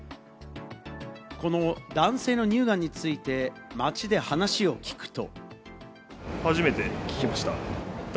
この男性の乳がんについて、街で話を聞くと。